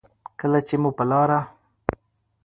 کله چې مو په لاره